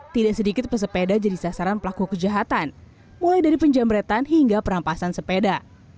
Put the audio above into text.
tidak sedikit pesepeda jadi sasaran pelaku kejahatan mulai dari penjamretan hingga perampasan sepeda